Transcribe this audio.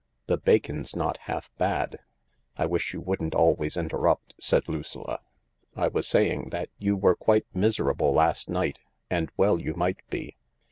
The bacon's not half bad." " I wish you wouldn't always interrupt," said Lucilla. " I was saying that you were quite miserable last night, and well you might be.